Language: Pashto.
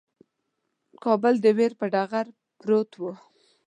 کابل د ویر پر ټغر پروت وو.